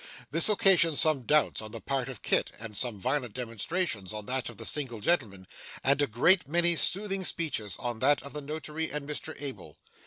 This occasioned some doubts on the part of Kit, and some violent demonstrations on that of the single gentleman, and a great many soothing speeches on that of the Notary and Mr Abel.